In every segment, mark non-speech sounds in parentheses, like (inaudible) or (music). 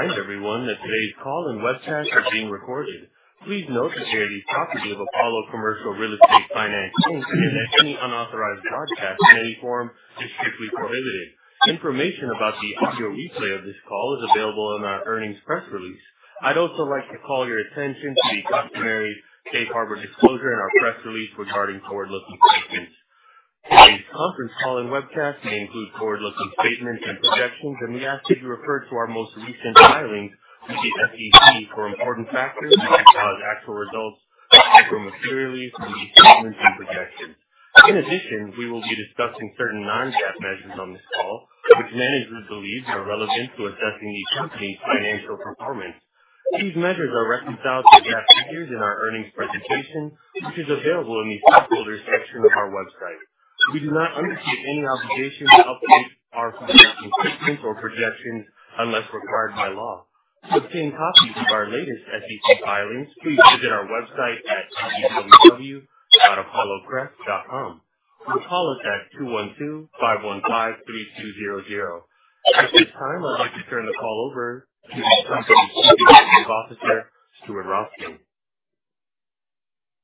I'd like to remind everyone that today's call and webcast are being recorded. Please note that they are the property of Apollo Commercial Real Estate Finance and that any unauthorized broadcast in any form is strictly prohibited. Information about the audio replay of this call is available in our earnings press release. I'd also like to call your attention to the customary safe harbor disclosure in our press release regarding forward-looking statements. Today's conference call and webcast may include forward-looking statements and projections, and we ask that you refer to our most recent filings with the SEC for important factors that can cause actual results to be drawn materially from these statements and projections. In addition, we will be discussing certain non-GAAP measures on this call, which managers believe are relevant to assessing the company's financial performance. These measures are reconciled to GAAP figures in our earnings presentation, which is available in the stakeholder section of our website. We do not undertake any obligation to update our projections or projections unless required by law. To obtain copies of our latest SEC filings, please visit our website at www.apollocref.com. Your call is at 212-515-3200. At this time, I'd like to turn the call over to the company's Chief Executive Officer, Stuart Rothstein.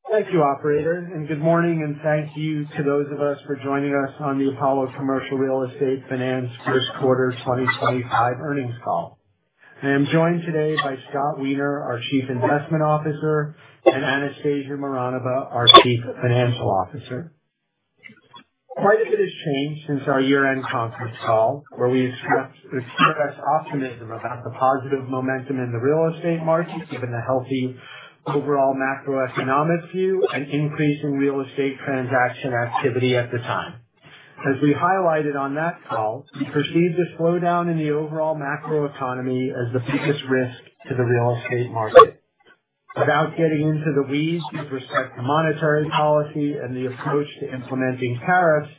Thank you, Operator, and good morning, and thank you to those of us for joining us on the Apollo Commercial Real Estate Finance first quarter 2025 earnings call. I am joined today by Scott Weiner, our Chief Investment Officer, and Anastasia Mironova, our Chief Financial Officer. Quite a bit has changed since our year-end conference call, where we expressed optimism about the positive momentum in the real estate market, given the healthy overall macroeconomic view and increasing real estate transaction activity at the time. As we highlighted on that call, we perceived a slowdown in the overall macroeconomy as the biggest risk to the real estate market. Without getting into the weeds with respect to monetary policy and the approach to implementing tariffs,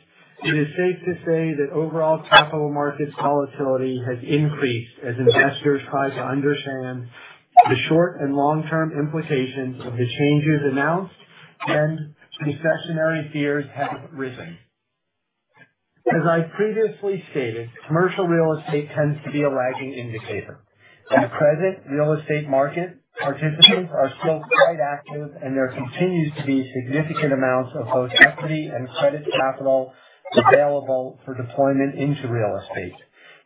it is safe to say that overall capital markets volatility has increased as investors try to understand the short and long-term implications of the changes announced, and recessionary fears have risen. As I previously stated, commercial real estate tends to be a lagging indicator. In the present real estate market, participants are still quite active, and there continues to be significant amounts of both equity and credit capital available for deployment into real estate.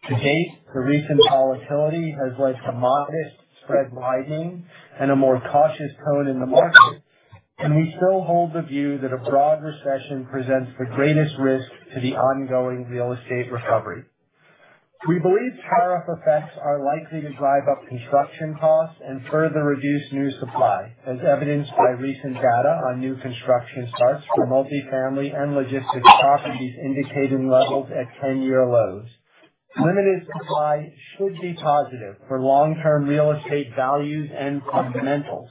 To date, the recent volatility has led to modest spread widening and a more cautious tone in the market, and we still hold the view that a broad recession presents the greatest risk to the ongoing real estate recovery. We believe tariff effects are likely to drive up construction costs and further reduce new supply, as evidenced by recent data on new construction starts for multifamily and logistics properties indicating levels at 10-year lows. Limited supply should be positive for long-term real estate values and fundamentals.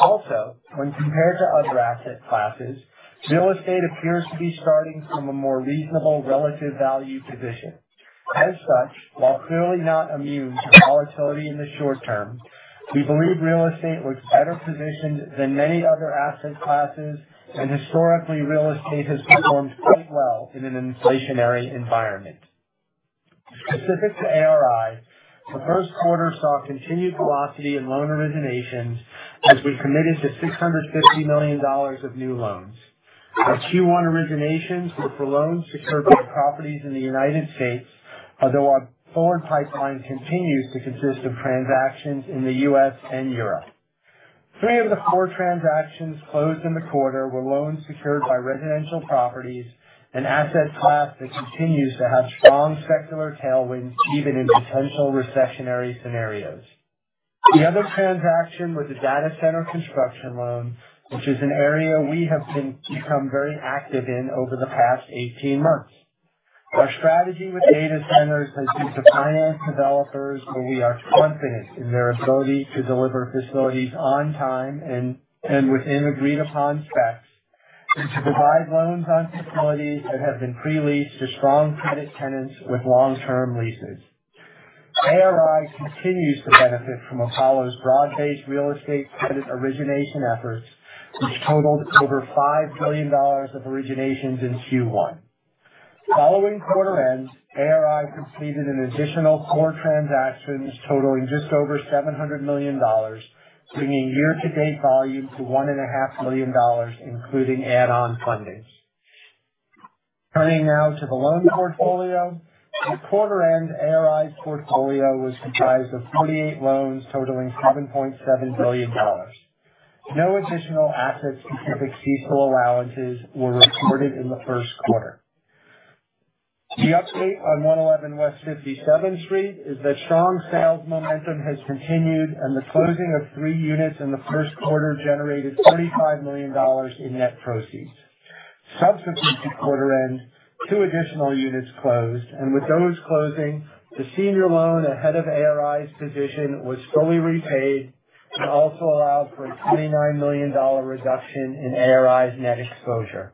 Also, when compared to other asset classes, real estate appears to be starting from a more reasonable relative value position. As such, while clearly not immune to volatility in the short term, we believe real estate looks better positioned than many other asset classes, and historically, real estate has performed quite well in an inflationary environment. Specific to ARI, the first quarter saw continued velocity in loan originations as we committed to $650 million of new loans. Our Q1 originations were for loans secured by properties in the United States, although our forward pipeline continues to consist of transactions in the U.S. and Europe. Three of the four transactions closed in the quarter were loans secured by residential properties, an asset class that continues to have strong secular tailwinds even in potential recessionary scenarios. The other transaction was a data center construction loan, which is an area we have become very active in over the past 18 months. Our strategy with data centers has been to finance developers where we are confident in their ability to deliver facilities on time and within agreed-upon specs, and to provide loans on facilities that have been pre-leased to strong credit tenants with long-term leases. ARI continues to benefit from Apollo's broad-based real estate credit origination efforts, which totaled over $5 billion of originations in Q1. Following quarter end, ARI completed an additional four transactions totaling just over $700 million, bringing year-to-date volume to $1.5 billion, including add-on funding. Turning now to the loan portfolio, the quarter-end ARI's portfolio was comprised of 48 loans totaling $7.7 billion. No additional asset-specific CECL allowances were reported in the first quarter. The update on 111 West 57th Street is that strong sales momentum has continued, and the closing of three units in the first quarter generated $35 million in net proceeds. Subsequent to quarter-end, two additional units closed, and with those closings, the senior loan ahead of ARI's position was fully repaid and also allowed for a $29 million reduction in ARI's net exposure.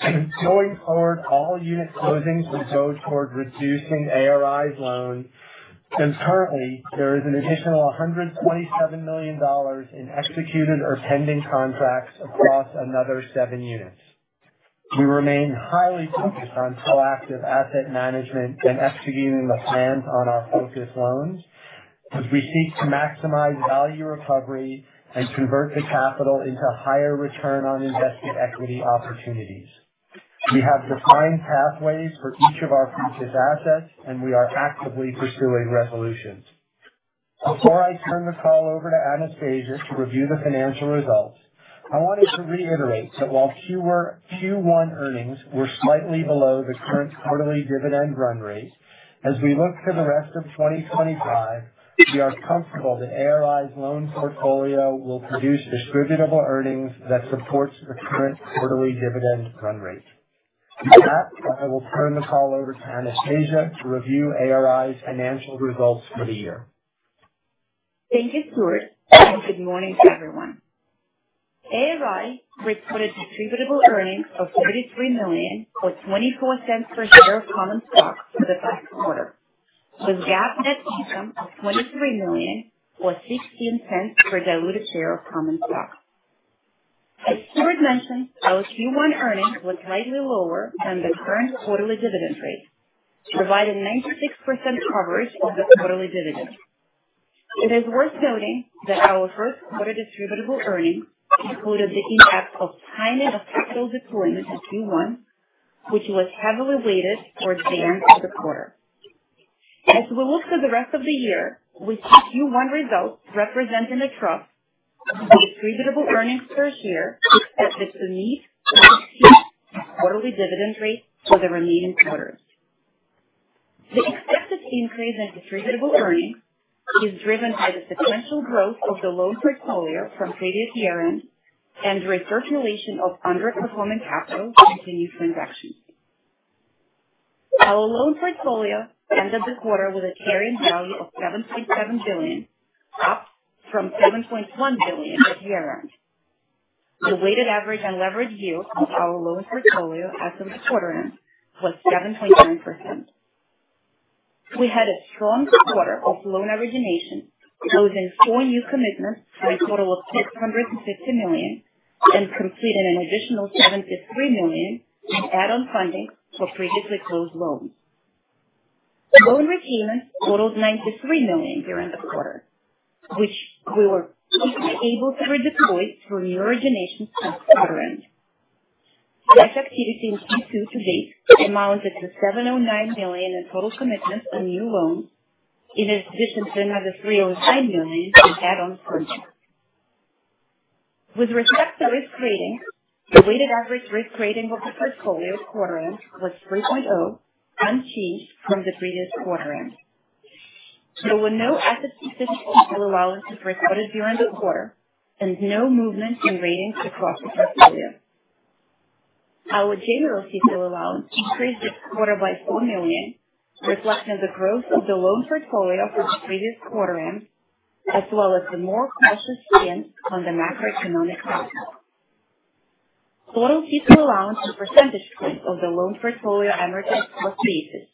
Going forward, all unit closings will go toward reducing ARI's loan, and currently, there is an additional $127 million in executed or pending contracts across another seven units. We remain highly focused on proactive asset management and executing the plans on our focus loans, as we seek to maximize value recovery and convert the capital into higher return on invested equity opportunities. We have defined pathways for each of our future assets, and we are actively pursuing resolutions. Before I turn the call over to Anastasia to review the financial results, I wanted to reiterate that while Q1 earnings were slightly below the current quarterly dividend run rate, as we look to the rest of 2025, we are comfortable that ARI's loan portfolio will produce distributable earnings that support the current quarterly dividend run rate. With that, I will turn the call over to Anastasia to review ARI's financial results for the year. Thank you, Stuart, and good morning to everyone. ARI reported distributable earnings of $33 million or $0.24 per share of common stock for the first quarter, with GAAP net income of $23 million or $0.16 per diluted share of common stock. As Stuart mentioned, our Q1 earnings were slightly lower than the current quarterly dividend rate, providing 96% coverage of the quarterly dividend. It is worth noting that our first quarter distributable earnings included the impact of timing of capital deployment in Q1, which was heavily weighted toward the end of the quarter. As we look to the rest of the year, we see Q1 results representing a trough of distributable earnings per share that is beneath the $0.16 quarterly dividend rate for the remaining quarters. The expected increase in distributable earnings is driven by the potential growth of the loan portfolio from previous year-end and recirculation of underperforming capital to continue transactions. Our loan portfolio ended the quarter with a carrying value of $7.7 billion, up from $7.1 billion at year-end. The weighted average and leveraged yield of our loan portfolio as of the quarter-end was 7.9%. We had a strong quarter of loan origination, closing four new commitments for a total of $650 million and completing an additional $73 million in add-on funding for previously closed loans. Loan repayments totaled $93 million during the quarter, which we were able to redeploy for new originations since quarter-end. Cash activity in Q2 to date amounted to $709 million in total commitments on new loans, in addition to another $309 million in add-on funding. With respect to risk rating, the weighted average risk rating of the portfolio quarter-end was 3.0, unchanged from the previous quarter-end. There were no asset-specific CECL allowances recorded during the quarter and no movement in ratings across the portfolio. Our general CECL allowance increased this quarter by $4 million, reflecting the growth of the loan portfolio from the previous quarter-end, as well as the more cautious stance on the macroeconomic factors. Total CECL allowance in percentage points of the loan portfolio averages plus basis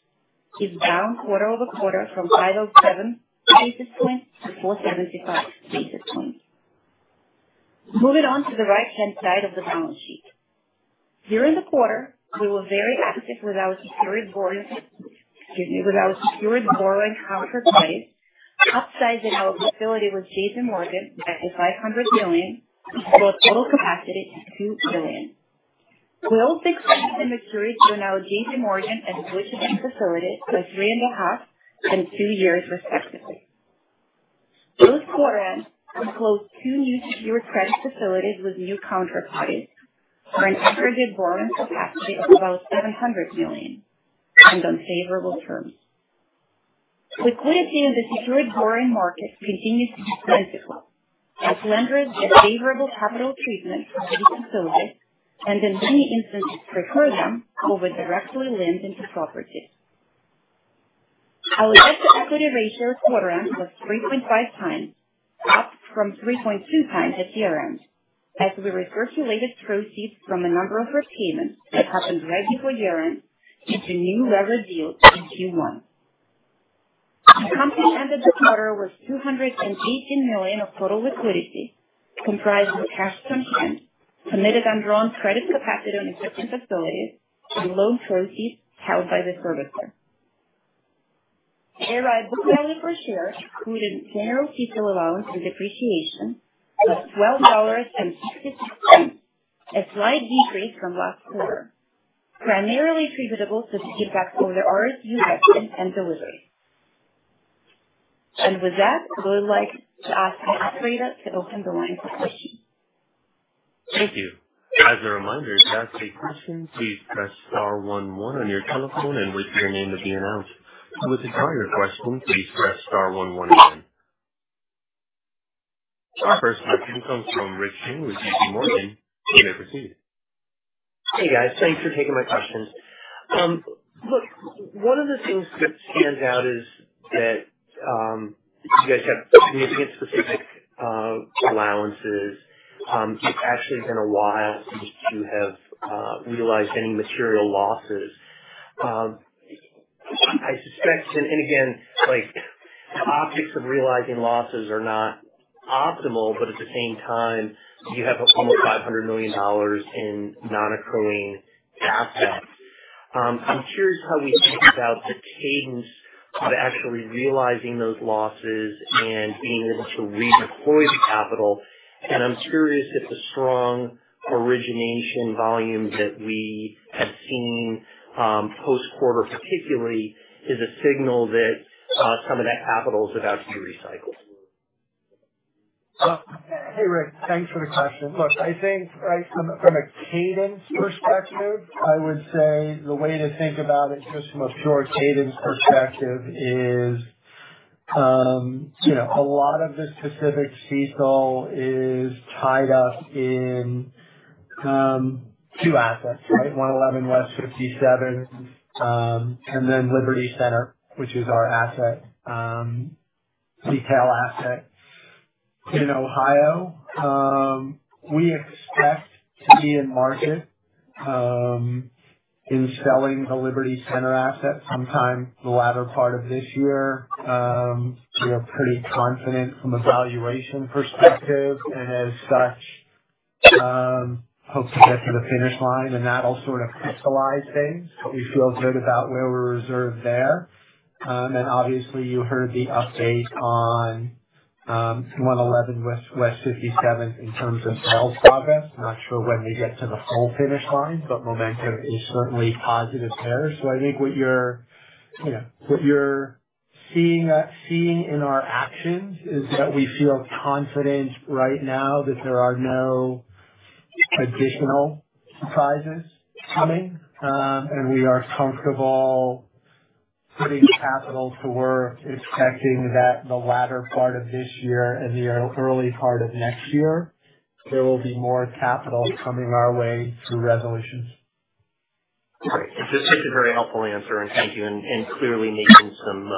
is down quarter-over-quarter from 507 basis points to 475 basis points. Moving on to the right-hand side of the balance sheet. During the quarter, we were very active with our secured borrowing counterparty, upsizing our facility with JPMorgan by the $500 million, for a total capacity of $2 billion. We also expanded and matured our JPMorgan and UBS facility by $3.5 million and 2 years, respectively. Post-quarter-end, we closed two new secured credit facilities with new counterparties for an aggregate borrowing capacity of about $700 million and on favorable terms. Liquidity in the secured borrowing market continues to be plentiful, as lenders have favorable capital treatment for these facilities and, in many instances, prefer them over directly lending to properties. Our debt-to-equity ratio quarter-end was 3.5 times, up from 3.2 times at year-end, as we recirculated proceeds from a number of repayments that happened right before year-end into new leveraged yields in Q1. The company ended the quarter with $218 million of total liquidity, comprising cash content, committed and drawn credit capacity on existing facilities, and loan proceeds held by the servicer. ARI book value per share included general CECL allowance and depreciation of $12.62, a slight decrease from last quarter, primarily attributable to the impact of the RSU vesting and delivery. With that, I would like to ask Anastasia to open the line for questions. Thank you. As a reminder, to ask a question, please press star one one on your telephone and wait for your name to be announced. To withdraw your question, please press star one one again. Our first question comes from Rich King with JPMorgan. You may proceed. Hey, guys. Thanks for taking my questions. Look, one of the things that stands out is that you guys have significant specific allowances. It's actually been a while since you have realized any material losses. I suspect, and again, the optics of realizing losses are not optimal, but at the same time, you have almost $500 million in non-accruing assets. I'm curious how we think about the cadence of actually realizing those losses and being able to redeploy the capital. I'm curious if the strong origination volume that we have seen post-quarter, particularly, is a signal that some of that capital is about to be recycled. Hey, Rich, thanks for the question. Look, I think from a cadence perspective, I would say the way to think about it just from a pure cadence perspective is a lot of the specific ceaseful is tied up in two assets, right? 111 West 57th and then Liberty Center, which is our asset, retail asset. In Ohio, we expect to be in market in selling the Liberty Center asset sometime the latter part of this year. We are pretty confident from a valuation perspective and, as such, hope to get to the finish line. That'll sort of crystallize things, but we feel good about where we're reserved there. Obviously, you heard the update on 111 West 57th in terms of sales progress. Not sure when we get to the full finish line, but momentum is certainly positive there. I think what you're seeing in our actions is that we feel confident right now that there are no additional surprises coming, and we are comfortable putting capital to work, expecting that the latter part of this year and the early part of next year, there will be more capital coming our way through resolutions. Great. This was a very helpful answer, and thank you. Clearly making some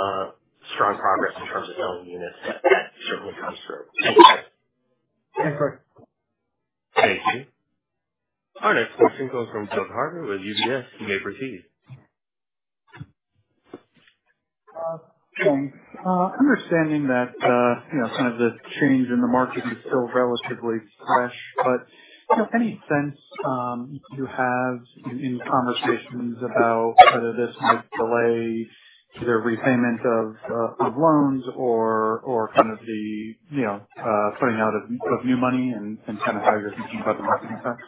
strong progress in terms of selling units. That certainly comes through. Thanks, guys. Thanks, Rich. Thank you. Our next question comes from Joe Carter with UBS. You may proceed. Thanks. Understanding that kind of the change in the market is still relatively fresh, but any sense you have in conversations about whether this might delay either repayment of loans or kind of the putting out of new money and kind of how you're thinking about the marketing effects?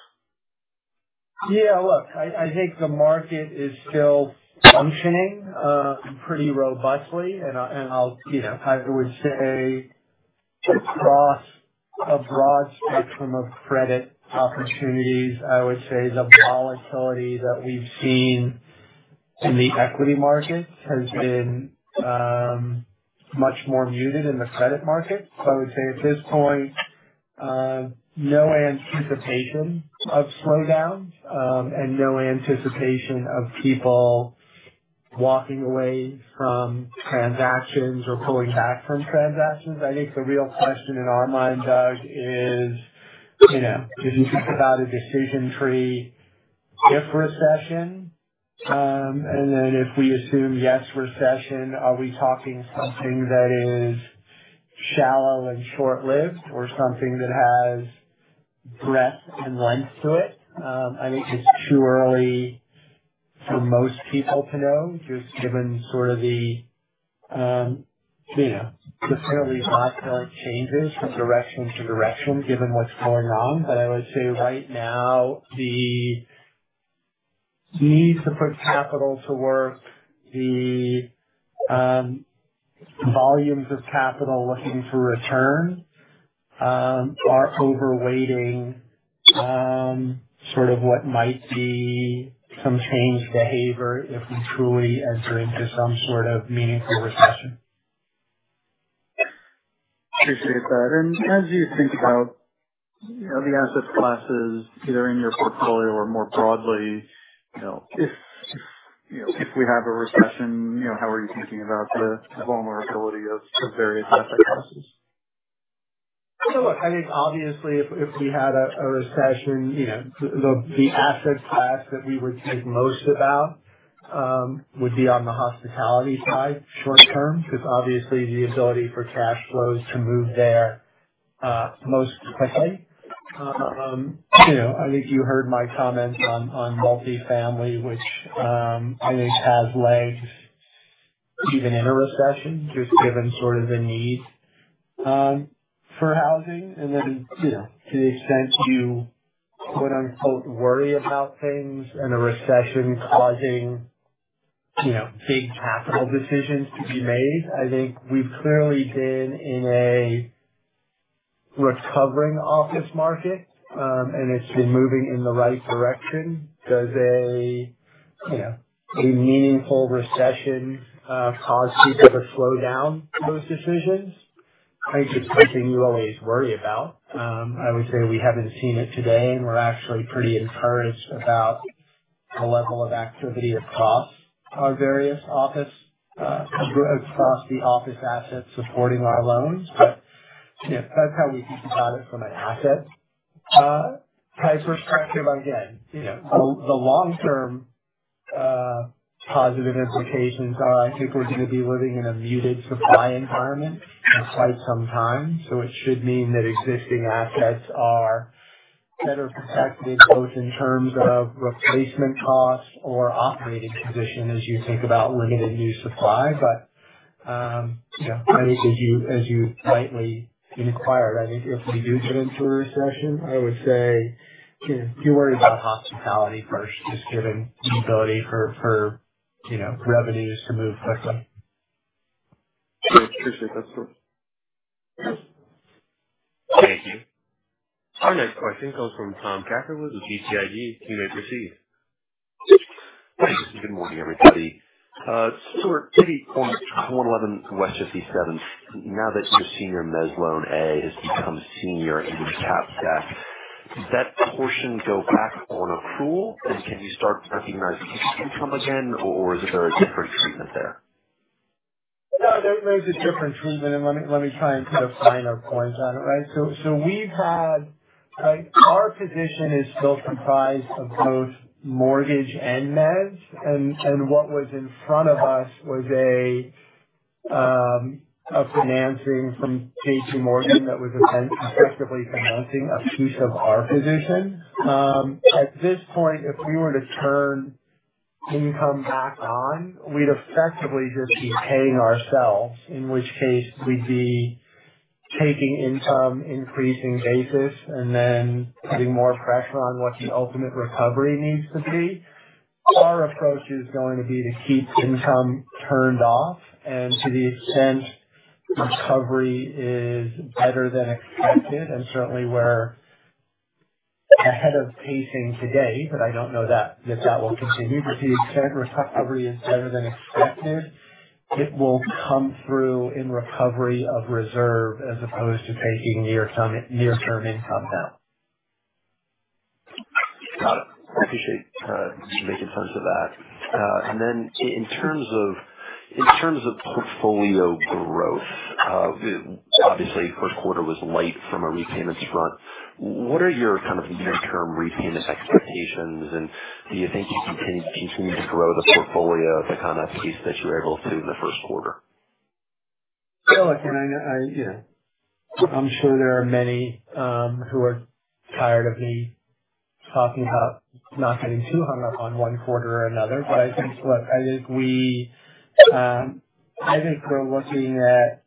Yeah. Look, I think the market is still functioning pretty robustly. I would say across a broad spectrum of credit opportunities, I would say the volatility that we've seen in the equity markets has been much more muted in the credit market. I would say at this point, no anticipation of slowdowns and no anticipation of people walking away from transactions or pulling back from transactions. I think the real question in our mind, Doug, is if you think about a decision tree, if recession, and then if we assume yes recession, are we talking something that is shallow and short-lived or something that has breadth and length to it? I think it's too early for most people to know, just given sort of the fairly volatile changes from direction to direction, given what's going on. I would say right now, the need to put capital to work, the volumes of capital looking for return are overweighting sort of what might be some changed behavior if we truly enter into some sort of meaningful recession. Appreciate that. As you think about the asset classes, either in your portfolio or more broadly, if we have a recession, how are you thinking about the vulnerability of various asset classes? I think obviously, if we had a recession, the asset class that we would think most about would be on the hospitality side short-term, because obviously, the ability for cash flows to move there most quickly. I think you heard my comments on multifamily, which I think has legs even in a recession, just given sort of the need for housing. To the extent you "worry" about things and a recession causing big capital decisions to be made, I think we've clearly been in a recovering office market, and it's been moving in the right direction. Does a meaningful recession cause people to slow down those decisions? I think it's something you always worry about. I would say we haven't seen it today, and we're actually pretty encouraged about the level of activity across our various office, across the office assets supporting our loans. That is how we think about it from an asset type perspective. Again, the long-term positive implications are, I think we are going to be living in a muted supply environment for quite some time. It should mean that existing assets are better protected, both in terms of replacement costs or operating position as you think about limited new supply. I think, as you rightly inquired, if we do get into a recession, I would say I do worry about hospitality first, just given the ability for revenues to move quickly. Great. Appreciate that, Stuart. Thank you. Our next question comes from (inaudible) with BTIG. You may proceed. Thanks. Good morning, everybody. Stuart, maybe on 111 West 57th, now that your senior mezz loan A has become senior in the cap stack, does that portion go back on accrual? Can you start recognizing it can come again, or is there a different treatment there? No, there's a different treatment. Let me try and put a finer point on it, right? We've had our position is still comprised of both mortgage and mezz. What was in front of us was a financing from JPMorgan that was effectively financing a piece of our position. At this point, if we were to turn income back on, we'd effectively just be paying ourselves, in which case we'd be taking income, increasing basis, and then putting more pressure on what the ultimate recovery needs to be. Our approach is going to be to keep income turned off. To the extent recovery is better than expected, and certainly we're ahead of pacing today, I don't know that that will continue. To the extent recovery is better than expected, it will come through in recovery of reserve as opposed to taking near-term income down. Got it. Appreciate you making sense of that. In terms of portfolio growth, obviously, first quarter was light from a repayments front. What are your kind of near-term repayment expectations? Do you think you can continue to grow the portfolio to kind of pace that you were able to in the first quarter? I'm sure there are many who are tired of me talking about not getting too hung up on one quarter or another. I think we're looking at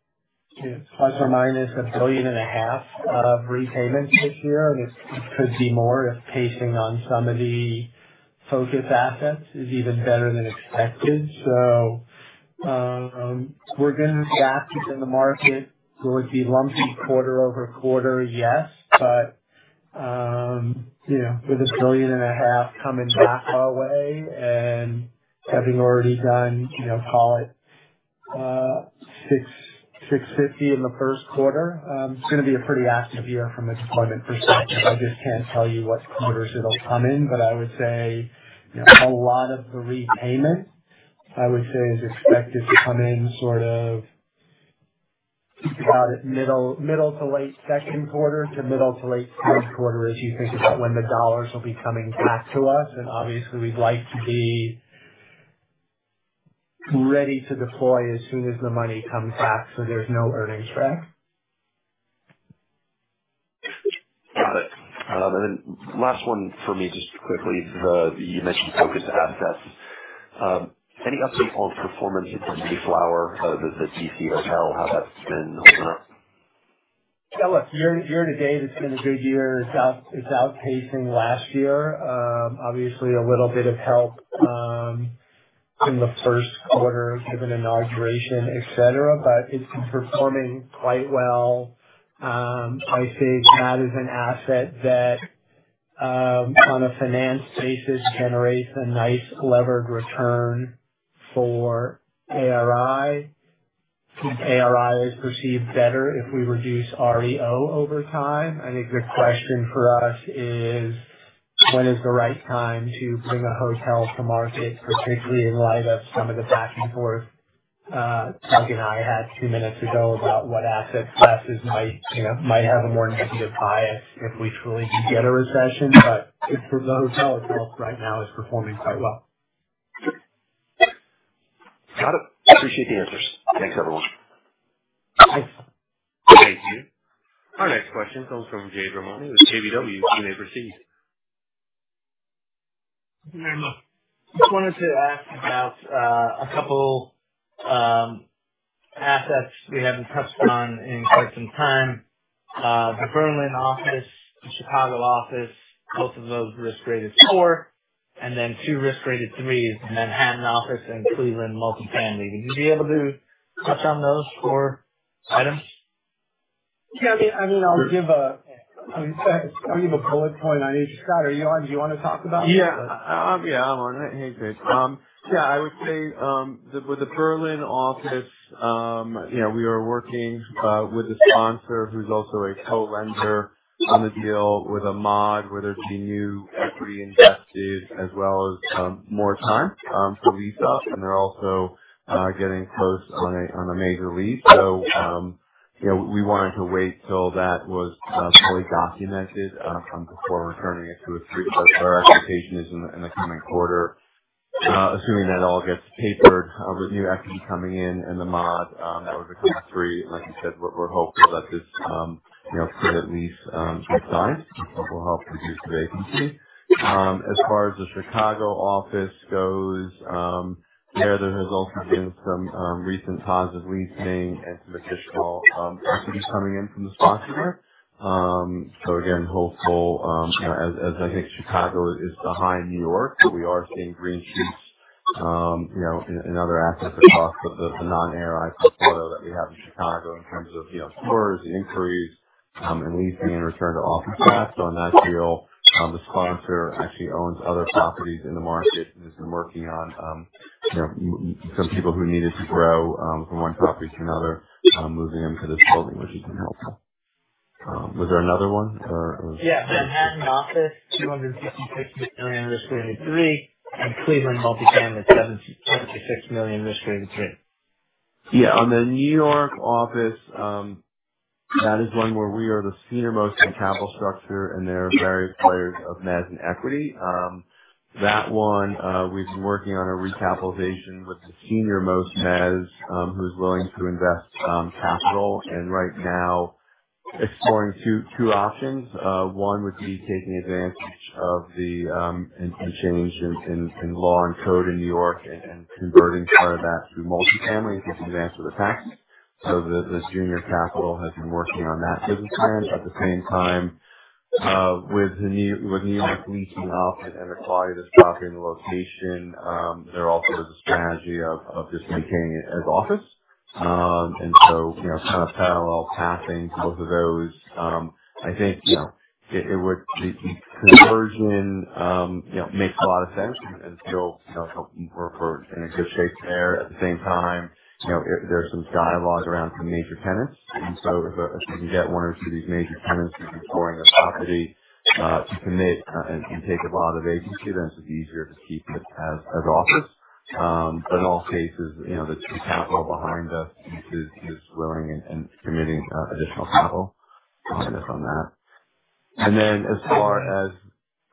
plus or minus $1.5 billion of repayments this year. It could be more if pacing on some of the focus assets is even better than expected. We're going to react in the market. Will it be lumpy quarter-over-quarter? Yes. With $1.5 billion coming back our way and having already done, call it $650 million in the first quarter, it's going to be a pretty active year from a deployment perspective. I just can't tell you what quarters it'll come in. I would say a lot of the repayment, I would say, is expected to come in sort of think about it middle to late second quarter to middle to late third quarter as you think about when the dollars will be coming back to us. Obviously, we'd like to be ready to deploy as soon as the money comes back so there's no earnings drag. Got it. Last one for me, just quickly, you mentioned focus assets. Any update on performance of The Mayflower, the D.C. Hotel, how that's been holding up? Yeah. Look, year to date, it's been a good year. It's outpacing last year. Obviously, a little bit of help in the first quarter given inauguration, etc. It has been performing quite well. I think that is an asset that, on a finance basis, generates a nice levered return for ARI. ARI is perceived better if we reduce REO over time. I think the question for us is, when is the right time to bring a hotel to market, particularly in light of some of the back and forth Doug and I had two minutes ago about what asset classes might have a more negative bias if we truly do get a recession. The hotel itself right now is performing quite well. Got it. Appreciate the answers. Thanks, everyone. Thanks. Thank you. Our next question comes from Jai Agarwal with KBW. You may proceed. Hey, Raymond. Just wanted to ask about a couple assets we haven't touched on in quite some time. The Berlin office, the Chicago office, both of those risk-rated 4. And then two risk-rated 3s, the Manhattan office and Cleveland multifamily. Would you be able to touch on those four items? Yeah. I mean, I'll give a bullet point on each. Scott, are you on? Do you want to talk about that? Yeah. Yeah. I'm on. Hey, great. Yeah. I would say with the Berlin office, we are working with a sponsor who's also a co-renter on the deal with a mod, whether it be new equity invested as well as more time for lease-up. They're also getting close on a major lease. We wanted to wait till that was fully documented before returning it to a 3. Our expectation is in the coming quarter, assuming that all gets papered with new equity coming in and the mod, that would become a 3. Like you said, we're hopeful that this could at least get signed, which will help reduce the vacancy. As far as the Chicago office goes, there has also been some recent positive leasing and some additional equity coming in from the sponsor. Again, hopeful, as I think Chicago is behind New York, but we are seeing green shoots in other assets across the non-ARI portfolio that we have in Chicago in terms of stores, inquiries, and leasing and return to office staff. On that deal, the sponsor actually owns other properties in the market and has been working on some people who needed to grow from one property to another, moving them to this building, which has been helpful. Was there another one or? Yeah. Manhattan office, $256 million risk-rated 3, and Cleveland multifamily, $76 million risk-rated 3. Yeah. On the New York office, that is one where we are the senior-most in capital structure, and there are various players of mezz and equity. That one, we've been working on a recapitalization with the senior-most mezz who is willing to invest capital. Right now, exploring two options. One would be taking advantage of the change in law and code in New York and converting part of that to multifamily and taking advantage of the tax. The junior capital has been working on that business plan. At the same time, with New York leasing off and the quality of this property and the location, there also is a strategy of just maintaining it as office. Kind of parallel pathing to both of those. I think the conversion makes a lot of sense and still helping work in a good shape there. At the same time, there's some dialogue around some major tenants. If we can get one or two of these major tenants to be exploring the property to commit and take a lot of agency, then it's easier to keep it as office. In all cases, the capital behind us is willing and committing additional capital behind us on that. As far as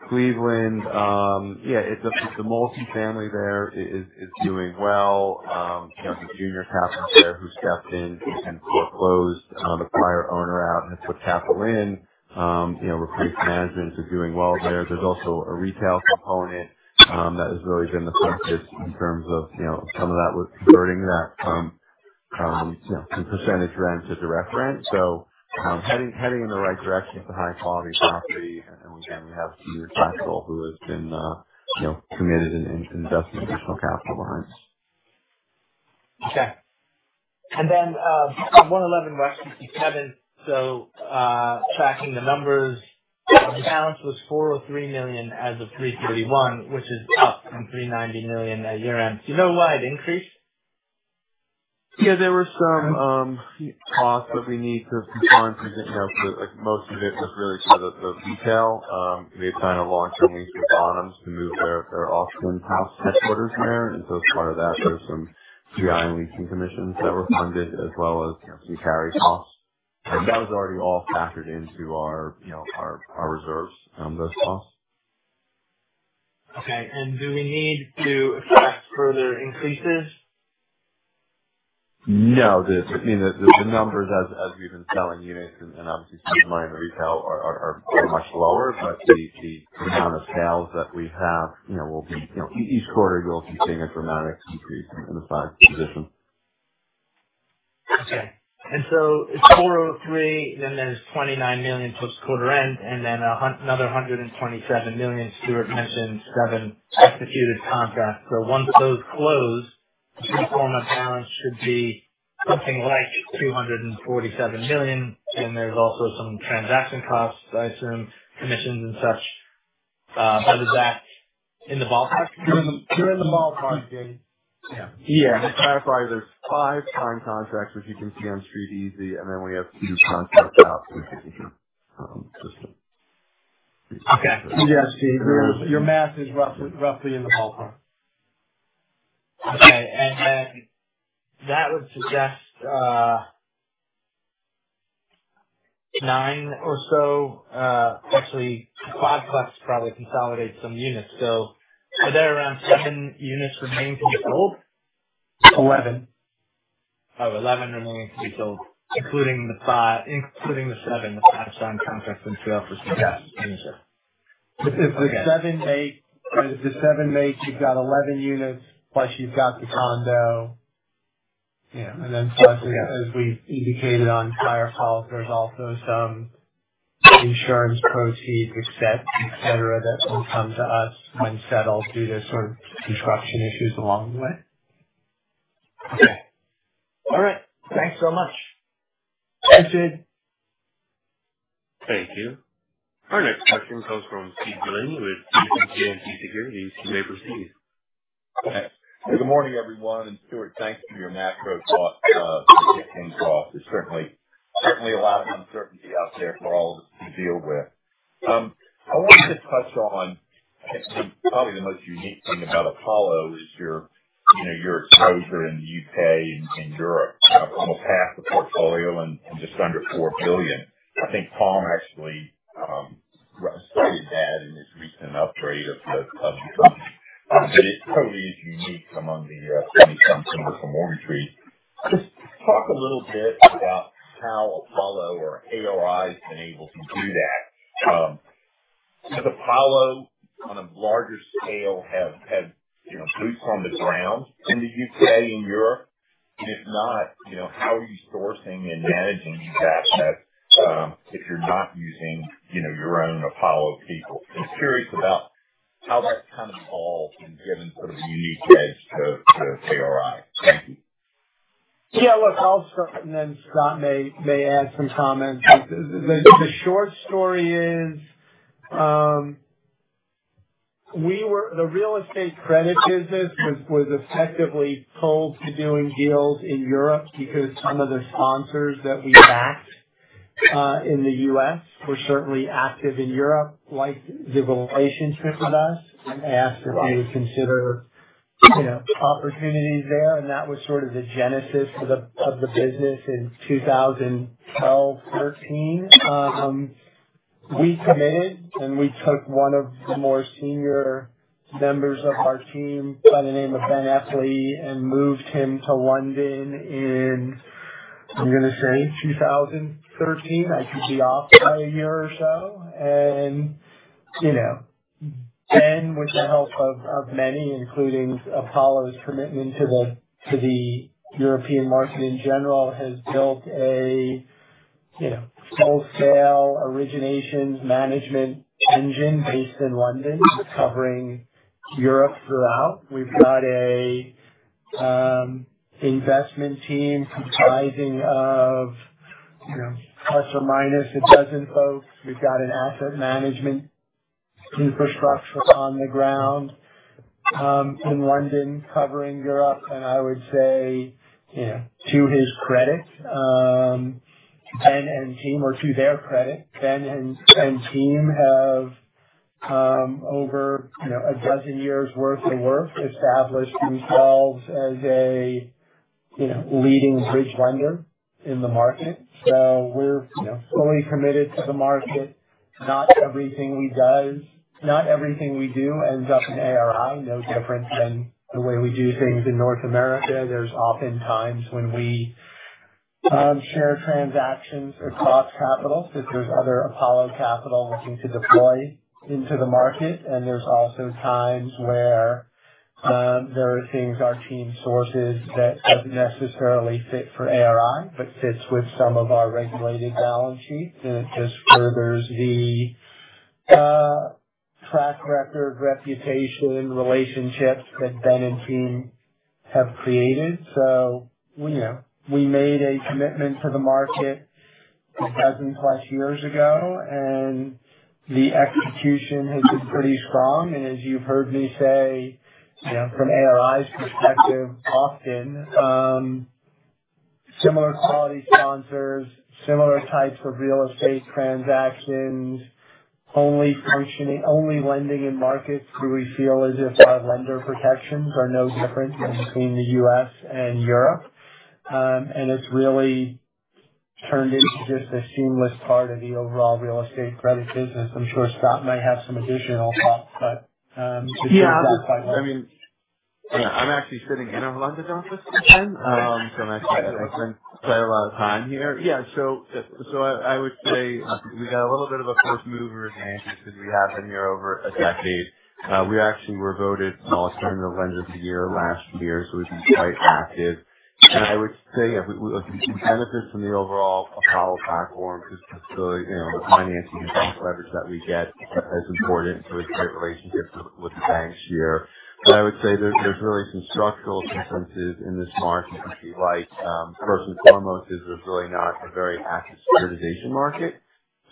Cleveland, yeah, the multifamily there is doing well. The junior capitalist there who stepped in and foreclosed the prior owner out and has put capital in. Reporting management is doing well there. There's also a retail component that has really been the focus in terms of some of that with converting that from percentage rent to direct rent. Heading in the right direction with the high-quality property. We have senior capital who has been committed and investing additional capital behind us. Okay. 111 West 57. Tracking the numbers, the balance was $403 million as of 3/31, which is up from $390 million at year-end. Do you know why it increased? Yeah. There were some costs that we need to comply and present. Most of it was really for the retail. We had signed a long-term lease with Bonhams to move their office house headquarters there. As part of that, there were some TI leasing commissions that were funded as well as some carry costs. That was already all factored into our reserves, those costs. Okay. Do we need to expect further increases? No. I mean, the numbers, as we've been selling units and obviously spending money on the retail, are much lower. The amount of sales that we have will be each quarter, you'll be seeing a dramatic increase in the size of the position. Okay. It is $403 million, then there is $29 million post-quarter end, and then another $127 million. Stuart mentioned seven executed contracts. Once those close, the pre-format balance should be something like $247 million. There are also some transaction costs, I assume, commissions and such. Is that in the ballpark? You're in the ballpark, Jai. Yeah. Yeah. To clarify, there's five signed contracts, which you can see on StreetEasy. Then we have two contracts out, which isn't too distant. Okay. Yeah, Jai, your math is roughly in the ballpark. Okay. That would suggest nine or so, actually, five plus probably consolidate some units. Are there around seven units remaining to be sold? Eleven. Oh, 11 remaining to be sold, including the seven, the five signed contracts, and two offers for the ownership. Okay. If the seven makes you've got 11 units plus you've got the condo. Plus as we indicated on prior calls, there's also some insurance proceeds, etc., that will come to us when settled due to sort of construction issues along the way. Okay. All right. Thanks so much. Thanks, Jay. Thank you. Our next question comes from Steve Delaney with JMP Securities. You may proceed. Good morning, everyone. Stuart, thanks for your macro thought. It's certainly a lot of uncertainty out there for all of us to deal with. I wanted to touch on, I think, probably the most unique thing about Apollo is your exposure in the U.K. and Europe. Almost half the portfolio and just under $4 billion. I think Tom actually cited that in his recent upgrade of the company. It totally is unique among the 20-something with the mortgage rate. Just talk a little bit about how Apollo or ARI has been able to do that. Does Apollo on a larger scale have boots on the ground in the U.K. and Europe? If not, how are you sourcing and managing these assets if you're not using your own Apollo people? Just curious about how that's kind of evolved in giving sort of a unique edge to ARI. Thank you. Yeah. Look, I'll start, and then Scott may add some comments. The short story is the real estate credit business was effectively told to doing deals in Europe because some of the sponsors that we backed in the U.S. were certainly active in Europe, liked the relationship with us, and asked if we would consider opportunities there. That was sort of the genesis of the business in 2012, 2013. We committed, and we took one of the more senior members of our team by the name of Ben Eppley, and moved him to London in, I'm going to say, 2013. I think he off by a year or so. Ben, with the help of many, including Apollo's commitment to the European market in general, has built a full-scale originations management engine based in London covering Europe throughout. We've got an investment team comprising of plus or minus a dozen folks. We've got an asset management infrastructure on the ground in London covering Europe. I would say, to his credit, Ben and team or to their credit, Ben and team have, over a dozen years' worth of work, established themselves as a leading bridge lender in the market. We are fully committed to the market. Not everything we do ends up in ARI, no different than the way we do things in North America. There are often times when we share transactions across capital if there is other Apollo capital looking to deploy into the market. There are also times where there are things our team sources that do not necessarily fit for ARI but fit with some of our regulated balance sheets. It just furthers the track record, reputation, relationships that Ben and team have created. We made a commitment to the market a dozen-plus years ago, and the execution has been pretty strong. As you've heard me say, from ARI's perspective, often, similar quality sponsors, similar types of real estate transactions, only lending in markets who we feel as if our lender protections are no different than between the U.S. and Europe. It's really turned into just a seamless part of the overall real estate credit business. I'm sure Scott might have some additional thoughts, but it turns out quite well. Yeah. I mean, I'm actually sitting in our London office with Ben, so I'm actually spending quite a lot of time here. Yeah. I would say we got a little bit of a first mover advantage because we have been here over a decade. We actually were voted Alternative lender of the year last year, so we've been quite active. I would say, yeah, we benefit from the overall Apollo platform because the financing leverage that we get is important. It's great relationships with the banks here. I would say there's really some structural incentives in this market. First and foremost, there's really not a very active securitization market.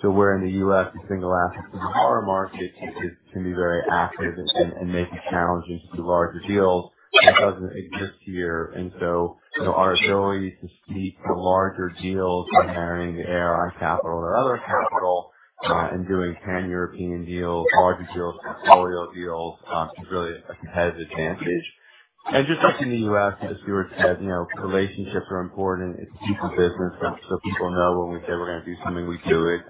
Where in the U.S., the single assets are a market, it can be very active and may be challenging to do larger deals. That doesn't exist here. Our ability to seek larger deals by marrying the ARI capital or other capital and doing pan-European deals, larger deals, portfolio deals is really a competitive advantage. Just like in the U.S., as Stuart said, relationships are important. It's a piece of business. People know when we say we're going to do something, we do it.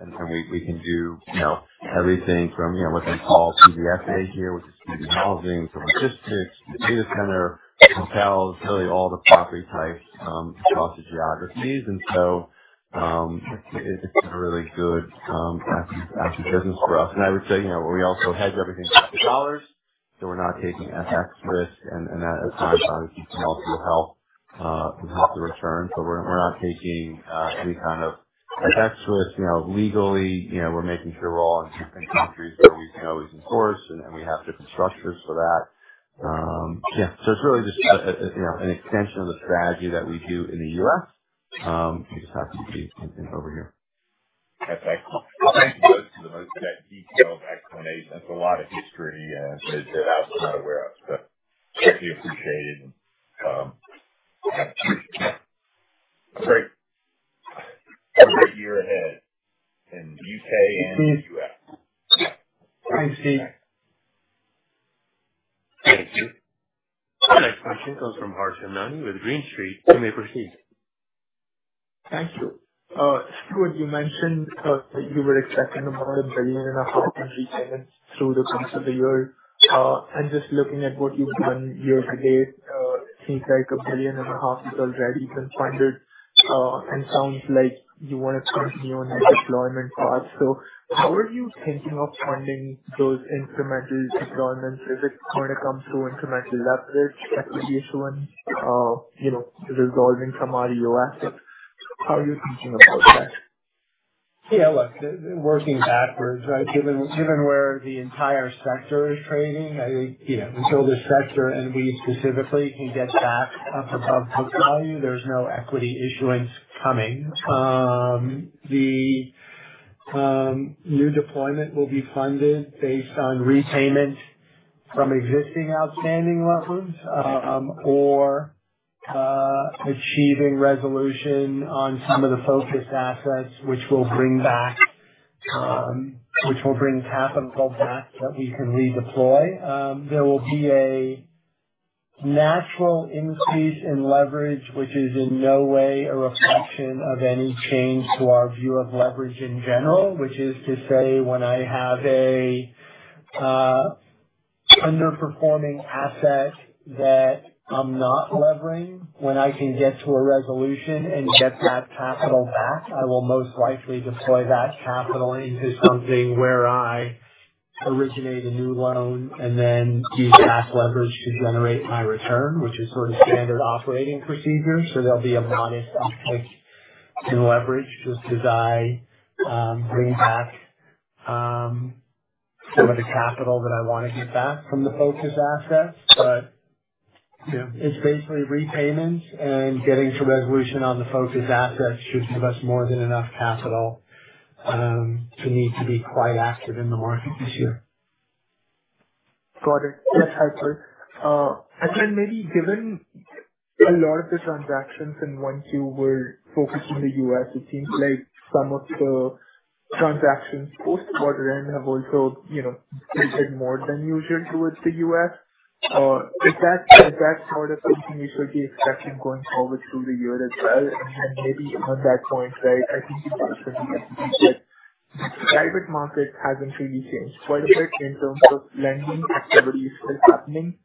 We can do everything from what they call PBSA here, which is PB Housing, from logistics to the data center, hotels, really all the property types across the geographies. It's a really good asset business for us. I would say we also hedge everything against the dollars, so we're not taking FX risk. That at times, obviously, can also help with the return. We're not taking any kind of FX risk. Legally, we're making sure we're all in countries where we can always enforce, and we have different structures for that. Yeah. It is really just an extension of the strategy that we do in the U.S. We just have to be over here. FX. I'll thank you both for the most detailed explanation. That's a lot of history that I was not aware of. Greatly appreciated. Great. A great year ahead in the U.K. and the U.S. Thanks, Steve. Thank you. Our next question comes from Harsh Hemnani with Green Street. You may proceed. Thank you. Stuart, you mentioned that you were expecting about $1.5 billion in returns through the course of the year. Just looking at what you've done year to date, it seems like $1.5 billion has already been funded. It sounds like you want to continue on that deployment path. How are you thinking of funding those incremental deployments if it's going to come through incremental leverage that could be a show and resolving from REO assets? How are you thinking about that? Yeah. Working backwards, right? Given where the entire sector is trading, I think until the sector and we specifically can get back up above book value, there's no equity issuance coming. The new deployment will be funded based on repayment from existing outstanding levels or achieving resolution on some of the focused assets, which will bring capital back that we can redeploy. There will be a natural increase in leverage, which is in no way a reflection of any change to our view of leverage in general, which is to say when I have an underperforming asset that I'm not levering, when I can get to a resolution and get that capital back, I will most likely deploy that capital into something where I originate a new loan and then use back leverage to generate my return, which is sort of standard operating procedure. There'll be a modest uptick in leverage just as I bring back some of the capital that I want to get back from the focus assets. It is basically repayments, and getting to resolution on the focus assets should give us more than enough capital to need to be quite active in the market this year. Got it. Yes, actually. Maybe given a lot of the transactions and once you were focused in the U.S., it seems like some of the transactions post-quarter end have also been more than usual towards the U.S. Is that sort of something you should be expecting going forward through the year as well? Maybe on that point, right, I think you also need to be said that the private market hasn't really changed quite a bit in terms of lending activity still happening.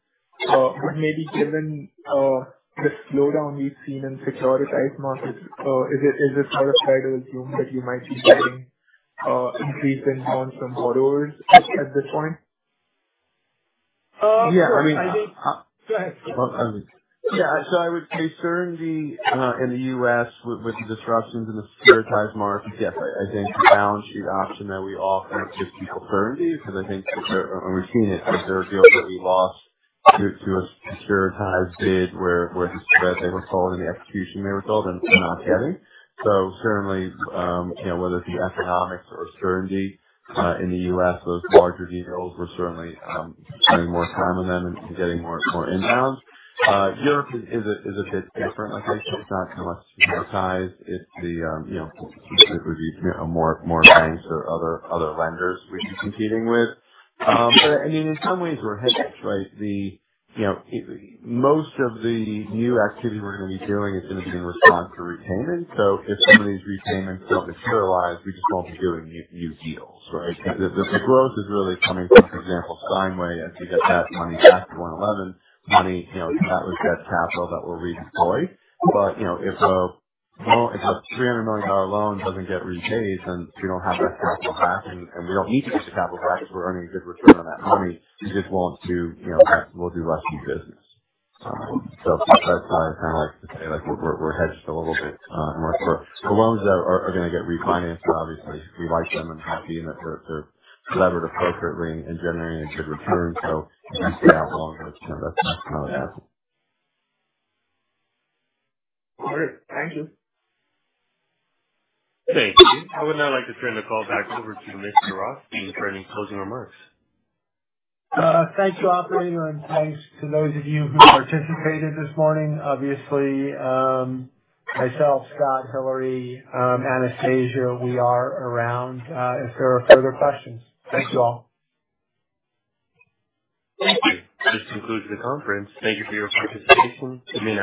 Maybe given the slowdown we've seen in securitized markets, is it sort of fair to assume that you might be getting increase in loans from borrowers at this point? Yeah. I mean. Go ahead. Yeah. I would say certainly in the U.S., with the disruptions in the securitized markets, yes, I think the balance sheet option that we offer gives people certainty because I think we've seen it. There are deals that we lost to a securitized bid where they were sold and the execution may result in not getting. Certainly, whether it's the economics or certainty in the U.S., those larger deals were certainly spending more time on them and getting more inbound. Europe is a bit different. It's not so much securitized. It would be more banks or other lenders we'd be competing with. I mean, in some ways, we're hedged, right? Most of the new activity we're going to be doing is going to be in response to repayments. If some of these repayments don't materialize, we just won't be doing new deals, right? The growth is really coming from, for example, Steinway, as we get that money back to 111, money that was debt capital that will redeploy. If a $300 million loan doesn't get repaid, then if you don't have that capital back, and we don't need to get the capital back because we're earning a good return on that money, we just won't do that. We'll do less business. That is why I kind of like to say we're hedged a little bit. The loans that are going to get refinanced, obviously, we like them and happy that they're levered appropriately and generating a good return. If you stay out longer, that's not a bad thing. All right. Thank you. Thank you. I would now like to turn the call back over to Mr. Rothstein for the closing remarks. Thank you, operator. Thank you to those of you who participated this morning. Obviously, myself, Scott, Hillary, Anastasia, we are around if there are further questions. Thank you all. Thank you. This concludes the conference. Thank you for your participation. Good night.